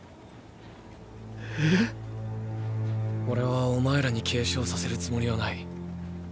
オレはお前らに継承させるつもりはない。